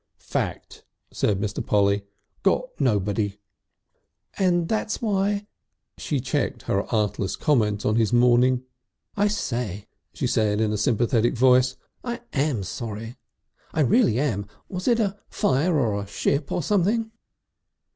"Fact!" said Mr. Polly. "Got nobody." "And that's why " she checked her artless comment on his mourning. "I say," she said in a sympathetic voice, "I am sorry. I really am. Was it a fire or a ship or something?"